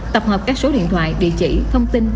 tập hợp các số điện thoại địa chỉ thông tin